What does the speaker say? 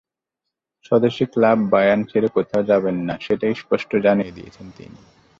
স্বদেশি club Bayern ছেড়ে কোথাও যাবেন না, সেটি স্পষ্ট জানিয়ে দিয়েছেন তিনি।